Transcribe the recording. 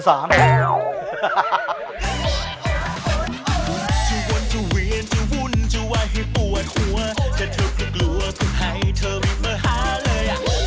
จะไปไปแลางกลัวไม่ใช่โปรด